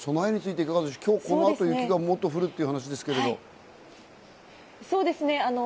今日この後、雪がもっと降るという話ですが。